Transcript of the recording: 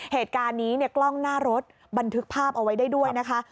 เหตุการณ์นี้เนี่ยกล้องหน้ารถบันทึกภาพเอาไว้ได้ด้วยนะคะ